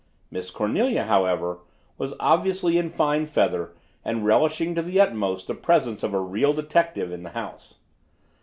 Miss Cornelia, however, was obviously in fine feather and relishing to the utmost the presence of a real detective in the house.